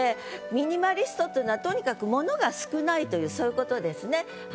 ミニマリストっていうのはとにかく物が少ないというそういうことですね。